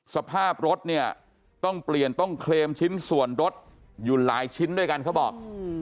สภาพรถเนี่ยต้องเปลี่ยนต้องเคลมชิ้นส่วนรถอยู่หลายชิ้นด้วยกันเขาบอก